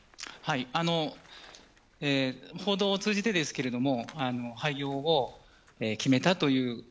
報道を通じてですが廃業を決めたという。